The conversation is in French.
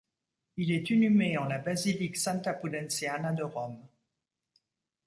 Il est inhumé en la basilique Santa Pudenziana de Rome.